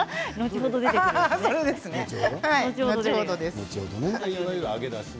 後ほどです。